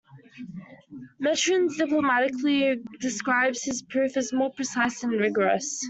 Mertens diplomatically describes his proof as more precise and rigorous.